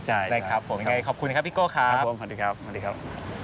ใช่นะครับผมยังไงขอบคุณครับพี่โก้ครับผมสวัสดีครับสวัสดีครับ